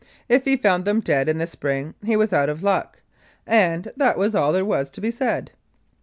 If he found them dead in the spring he was "out of luck," and that was all there was to be said.